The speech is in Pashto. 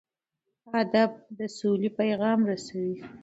ادب د سولې پیغام رسوي.